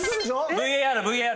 ＶＡＲＶＡＲ！